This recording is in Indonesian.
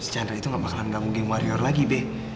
chandra itu gak bakalan melakukan game warior lagi be